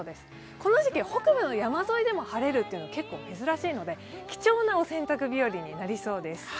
この時期、北部の山沿いでも晴れるというのは結構珍しいので貴重なお洗濯日和になりそうです。